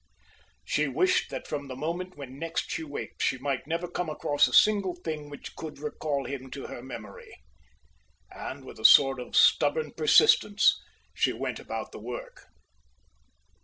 She wished that from the moment when next she waked she might never come across a single thing which could recall him to her memory. And with a sort of stubborn persistence she went about the work.